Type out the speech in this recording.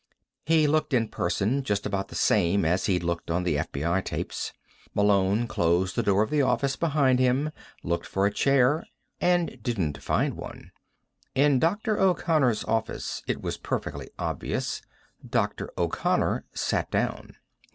He looked, in person, just about the same as he'd looked on the FBI tapes. Malone closed the door of the office behind him, looked for a chair and didn't find one. In Dr. O'Connor's office, it was perfectly obvious, Dr. O'Connor sat down.